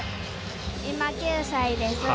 今、９歳です。